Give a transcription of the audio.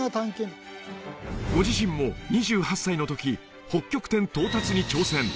ご自身も２８歳の時北極点到達に挑戦